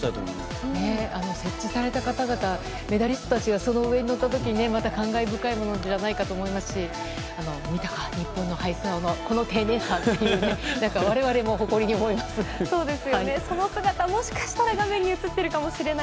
設置された方々メダリストたちがその上に乗った時また感慨深いんじゃないかと思いますし見たか、日本の配送のこの丁寧さと我々も誇りに思います。